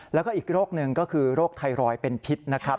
แล้วก็อีกโรคหนึ่งก็คือโรคไทรอยด์เป็นพิษนะครับ